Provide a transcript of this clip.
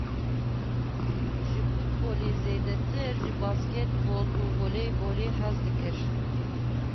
Ji futbolê zêdetir, ji bastekbol û voleybolê hez dikir.